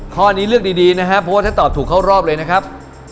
ข้อนี้เลือกดีนะครับเพราะว่าถ้าตอบถูกเข้ารอบเลยนะครับ